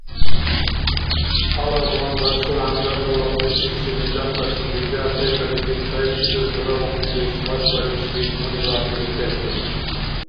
Гьалабван Расул Хӏямзатовла уличилси Миллатласи библиотекализиб, цаибси жуз дурабухънилис хасбарибси гьунибаъни бетерхур.